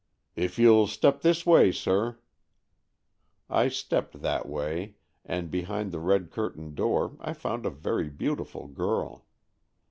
"If you'll step this way, sir." I stepped that way, and behind the red curtained door I found a very beautiful girl.